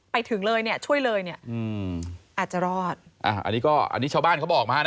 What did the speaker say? ไปถึงเลยเนี่ยช่วยเลยเนี่ยอืมอาจจะรอดอ่าอันนี้ก็อันนี้ชาวบ้านเขาบอกมานะ